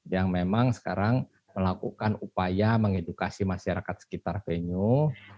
yang memang sekarang melakukan upaya mengedukasi masyarakat sekitar venue